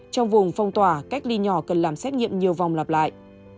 trong vùng phong tỏa cách ly nhỏ cần làm xét nghiệm nhiều vòng lặp lại